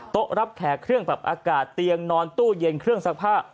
รับแขกเครื่องปรับอากาศเตียงนอนตู้เย็นเครื่องซักผ้า